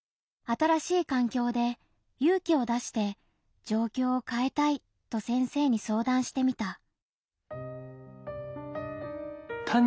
新しい環境で勇気を出して「状況を変えたい」と先生に相談してみた。